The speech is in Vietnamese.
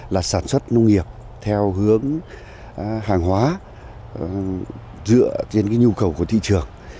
là sản xuất nông nghiệp theo hướng hàng hóa dựa trên cái nhu cầu của thị trường